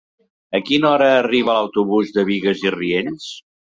A quina hora arriba l'autobús de Bigues i Riells?